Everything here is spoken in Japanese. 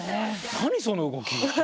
何その動き